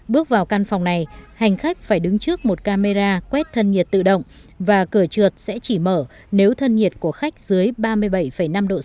bước vào căn phòng này hành khách phải đứng trước một camera quét thân nhiệt tự động và cửa trượt sẽ chỉ mở nếu thân nhiệt của khách dưới ba mươi bảy năm độ c